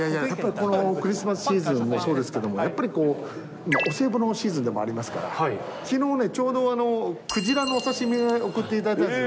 このクリスマスシーズンもそうですけど、やっぱり今、お歳暮のシーズンでもありますから、きのうね、ちょうどクジラのお刺身送っていただいたんですよ。